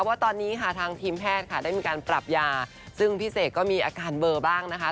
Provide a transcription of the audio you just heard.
ว่าตอนนี้ค่ะทางทีมแพทย์ค่ะได้มีการปรับยาซึ่งพี่เสกก็มีอาการเบอร์บ้างนะคะ